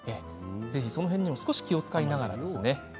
ぜひその辺にも少し気を遣いながら。